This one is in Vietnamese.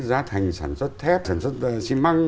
giá thành sản xuất thép sản xuất xi măng